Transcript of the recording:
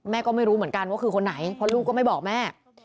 ก็ไม่รู้เหมือนกันว่าคือคนไหนเพราะลูกก็ไม่บอกแม่